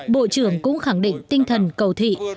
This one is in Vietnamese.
bộ trưởng cũng khẳng định tinh thần cầu thị